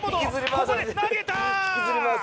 ここで投げた！